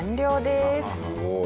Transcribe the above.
すごい。